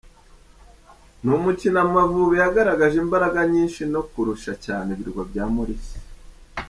Ni umukino Amavubi yagaragaje imbaraga nyinshi no kurusha cyane Ibirwa bya Maurice.